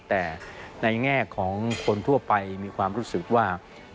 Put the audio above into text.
แต่ในแง่ของคนทั่วไปมีความรู้สึกว่า